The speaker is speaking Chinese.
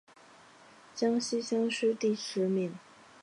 江西乡试第十名。